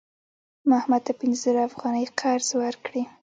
ما احمد ته پنځه زره افغانۍ قرض ورکړې.